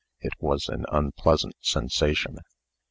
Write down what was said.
It was an unpleasant sensation.